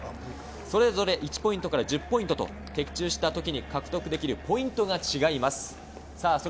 それぞれ１ポイントから１０ポイントと的中したときに獲得できるポイントが違います。